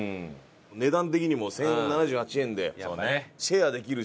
値段的にも１０７８円でシェアできるし。